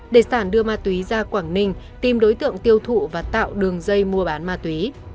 đề sản đưa ma tùy ra quảng ninh tìm đối tượng tiêu thụ và tạo đường dây mua bán ma tùy